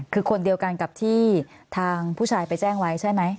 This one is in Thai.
คือคนเดียวกันกับที่ทางผู้ชายไปแจ้งไว้ใช่ไหม